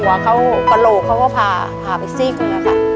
แล้วหัวกระโหลกเขาก็พาไปซีกเลยค่ะ